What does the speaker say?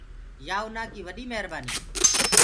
يآ اُنآ ڪي وڏي مهرنآنيٚ۔